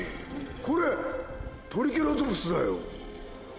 これトリケラトプスだよ。